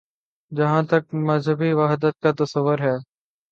جہاں تک مذہبی وحدت کا تصور ہے۔